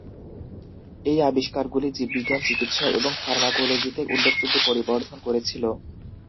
এই আবিষ্কারগুলি জীববিজ্ঞান, চিকিৎসা এবং ফার্মাকোলজিতে উল্লেখযোগ্য পরিবর্ধন করেছিল।